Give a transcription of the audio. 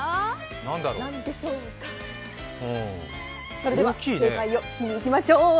それでは正解を聞きにいきましょう。